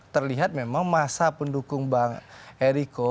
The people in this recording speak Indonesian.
terlihat memang masa pendukung bang eriko